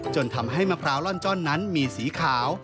จนทำให้มะพร้าวล่อนจ้อนนั้นมีสีขาว